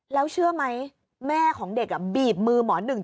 แล้วเชื่อไหมแม่ของเด็กบีบมือหมอหนึ่ง